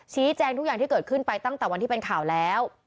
ชี้แจงทุกอย่างที่เกิดขึ้นไปตั้งแต่วันที่เป็นข่าวแล้ว